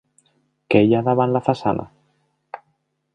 Què hi ha davant la façana?